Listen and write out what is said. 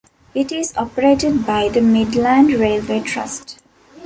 It is operated by the Midland Railway Trust.